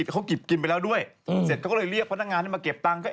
เขาเก็บกินไปแล้วด้วยเสร็จเขาก็เลยเรียกพนักงานให้มาเก็บตังค์